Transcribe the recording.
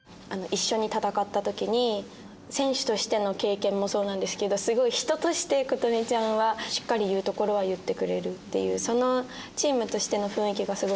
一緒に戦った時に選手としての経験もそうなんですけどすごい人として琴美ちゃんはしっかり言うところは言ってくれるっていうそのチームとしての雰囲気がすごく好きで。